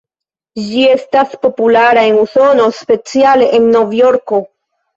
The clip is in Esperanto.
Ĝi estas populara en Usono, speciale en Novjorko.